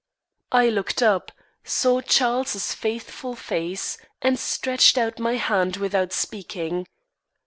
I looked up, saw Charles's faithful face, and stretched out my hand without speaking.